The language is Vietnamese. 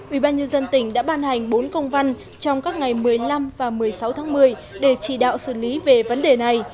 ubnd tỉnh đã ban hành bốn công văn trong các ngày một mươi năm và một mươi sáu tháng một mươi để chỉ đạo xử lý về vấn đề này